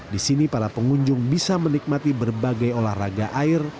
di sini para pengunjung bisa menikmati berbagai olahraga air